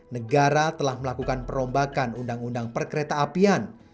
negara telah melakukan perombakan undang undang perkereta apian